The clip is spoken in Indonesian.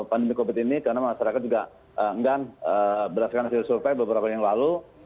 pandemi covid ini karena masyarakat juga enggan berdasarkan hasil survei beberapa hari yang lalu